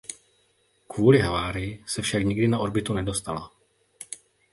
Kvůli havárii se však nikdy na orbitu nedostala.